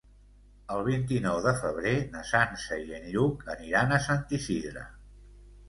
El vint-i-nou de febrer na Sança i en Lluc aniran a Sant Isidre.